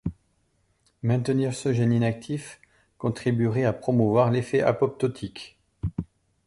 Maintenir ce gène inactif contribuerait à promouvoir l'effet apoptotique.